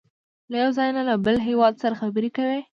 له یو ځای نه له بل هېواد سره خبرې کوي.